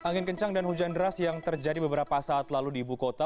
angin kencang dan hujan deras yang terjadi beberapa saat lalu di ibu kota